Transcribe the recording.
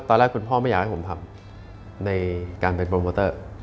ตอนแรกคุณพ่อไม่อยากให้ผมทำในการเป็นโปรโมเตอร์